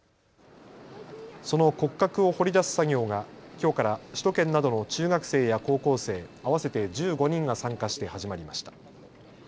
その骨格を掘り出す作業がきょうから首都圏などの中学生や高校生合わせて１５人が参加して始まりました。